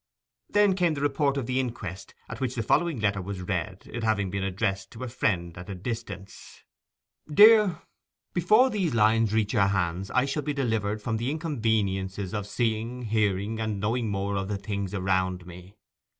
Then came the report of the inquest, at which the following letter was read, it having been addressed to a friend at a distance: 'DEAR ——,—Before these lines reach your hands I shall be delivered from the inconveniences of seeing, hearing, and knowing more of the things around me.